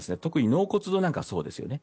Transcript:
納骨堂なんかそうですよね。